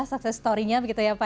sukses story nya begitu ya pak